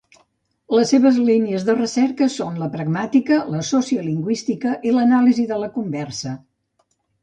Les seves línies de recerca són la pragmàtica, la sociolingüística i l'anàlisi de la conversa.